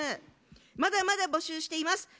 まだまだ募集しています。